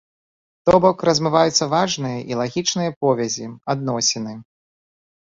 То бок размываюцца важныя і лагічныя повязі, адносіны.